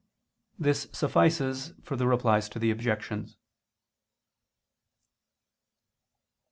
This suffices for the Replies to the Objections.